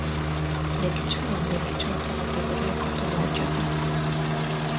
দেখেছো, দেথেছো তোমার দেবরের কতো মর্যাদা?